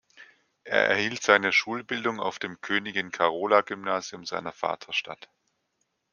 Er erhielt seine Schulbildung auf dem Königin-Carola-Gymnasium seiner Vaterstadt.